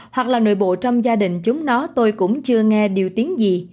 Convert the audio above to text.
hoặc là nội bộ trong gia đình chúng nó tôi cũng chưa nghe điều tiếng gì